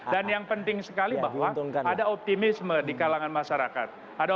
dan yang penting sekali bahwa ada optimisme di kalangan masyarakat